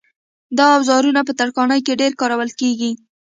دا اوزارونه په ترکاڼۍ کې ډېر کارول کېږي.